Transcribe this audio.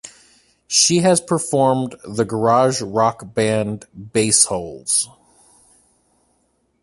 She has performed the garage rock band Bassholes.